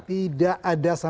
tidak ada sama sekali